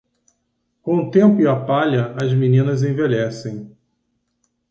Com o tempo e a palha, as meninas envelhecem.